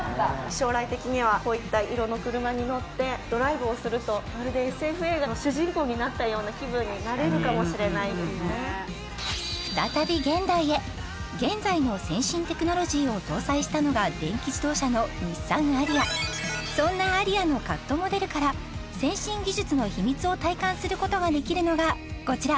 将来的にはこういった色の車に乗ってドライブをするとまるでＳＦ映画の主人公になったような気分になれるかもしれないですね再び現代へ現在の先進テクノロジーを搭載したのが電気自動車の日産アリアそんなアリアのカットモデルから先進技術の秘密を体感することができるのがこちら